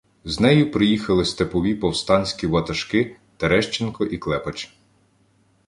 З нею приїхали степові повстанські ватажки Терещенко і Клепач.